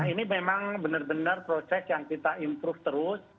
ini memang benar benar proses yang kita improve terus